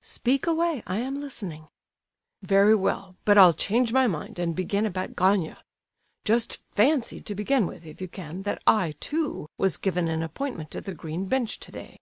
"Speak away, I am listening." "Very well, but I'll change my mind, and begin about Gania. Just fancy to begin with, if you can, that I, too, was given an appointment at the green bench today!